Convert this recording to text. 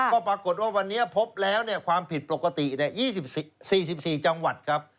ก็ปรากฏว่าวันนี้พบแล้วความผิดปกติ๒๔๔จังหวัดครับ